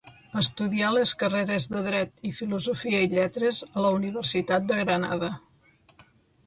Estudià les carreres de Dret i Filosofia i Lletres a la Universitat de Granada.